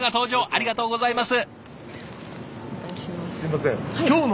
ありがとうございます。